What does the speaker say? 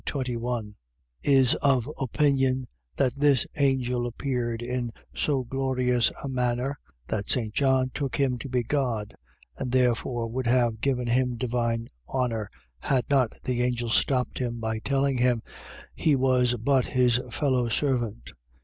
21) is of opinion, that this angel appeared in so glorious a manner, that St. John took him to be God; and therefore would have given him divine honour had not the angel stopped him, by telling him he was but his fellow servant.